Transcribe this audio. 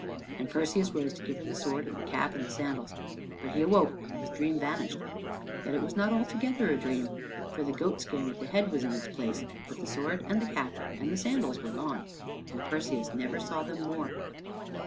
And Perseus rose to give her the sword, and the cap, and the sandals, but he woke and his dream vanished away. Yet it was not altogether a dream, for the goat skin with the head was in its place, but the sword and the cap and the sandals were gone, and Perseus never saw them more.